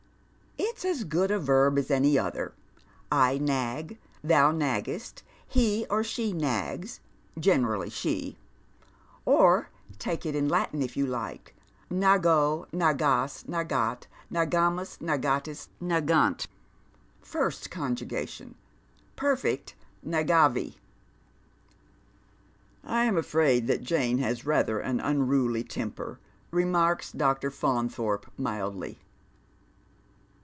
" It's as good a verb as any other. I nag, thou naggest, he or she nags, generally she ; or take it in Latin if you hke, Nago, nagas, nagat, nagamus, nagatia, nagant ; first conjugation ; per fect, nagavi." " I'm afraid that Jane has rather an unruly temper," remarks Dr. Faunthorpe, mildly.